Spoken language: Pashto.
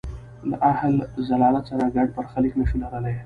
له اهل ضلالت سره ګډ برخلیک نه شو لرلای.